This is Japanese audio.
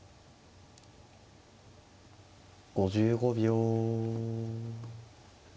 ５５秒。